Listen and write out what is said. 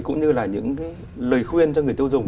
cũng như là những cái lời khuyên cho người tiêu dùng